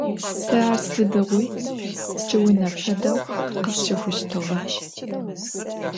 Se ar sıdiğui siune fedeu khısşıxhuştığe.